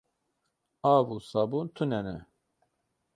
Av û sabûn tune ne.